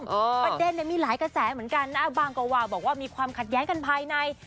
ประเด็นเนี่ยมีหลายกระแสเหมือนกันนะบางกวาวบอกว่ามีความขัดแย้งกันภายใน